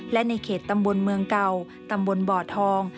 และในเขตตำบลเมืองเก่าตำบลบ่อทอง